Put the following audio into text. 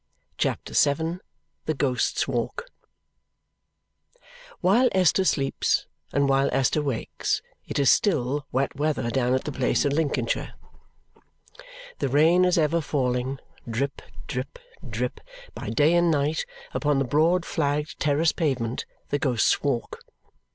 CHAPTER VII The Ghost's Walk While Esther sleeps, and while Esther wakes, it is still wet weather down at the place in Lincolnshire. The rain is ever falling drip, drip, drip by day and night upon the broad flagged terrace pavement, the Ghost's Walk.